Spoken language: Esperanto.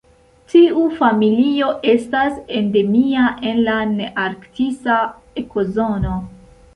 Tiu familio estas endemia en la nearktisa ekozono.